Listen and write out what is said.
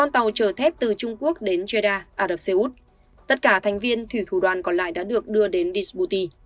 tất cả thành viên thủy thủ đoàn còn lại đã được đưa đến disputi